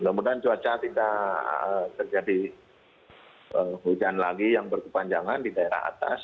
mudah mudahan cuaca tidak terjadi hujan lagi yang berkepanjangan di daerah atas